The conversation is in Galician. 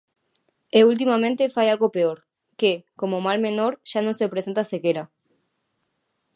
E ultimamente fai algo peor: que, como mal menor, xa non se presenta sequera.